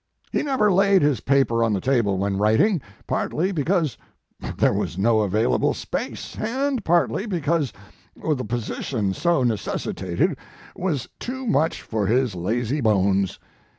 He never laid his paper on the table when writing, partly because there was no available space and partly because the position so necessitated was His Life and Work. 81 too much for his lazy bones.